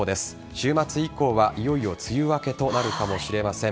週末以降は、いよいよ梅雨明けとなるかもしれません。